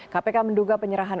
kpk menduga penyerahan uang